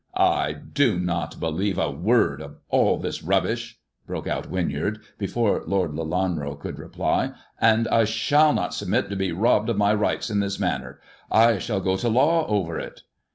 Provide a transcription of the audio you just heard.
" I do not believe a word of all this rubbish,*' broke out Winyard before Lord Lelanro could reply, " and I shall not submit to be robbed of my rights in this manner. I shall go to law over it."